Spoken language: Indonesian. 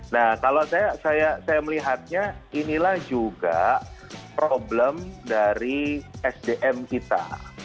nah kalau saya melihatnya inilah juga problem dari sdm kita